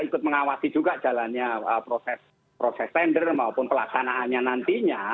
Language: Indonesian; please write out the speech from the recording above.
ikut mengawasi juga jalannya proses tender maupun pelaksanaannya nantinya